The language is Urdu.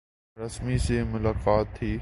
رسمی سی ملاقات تھی۔